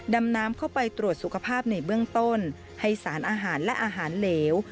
ดำน้ำเข้าไปตรวจสุขภาพในเบื้องต้นให้สารอาหารและอาหารเหลว